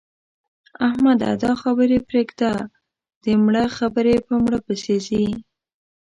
احمده! دا خبرې پرېږده؛ د مړه خبرې په مړه پسې ځي.